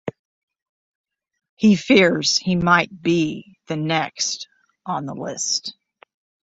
He fears he might be the next on the list.